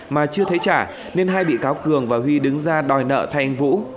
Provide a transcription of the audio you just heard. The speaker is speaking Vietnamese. mà chưa thấy trả nên hai bị cáo cường và huy đứng ra đòi nợ thay anh vũ